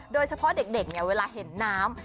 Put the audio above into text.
โดยเฉพาะเด็กเนี่ยเวลาเห็นน้ำ